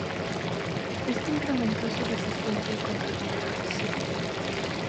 Esto incrementó su resistencia contra el gobierno Sikh.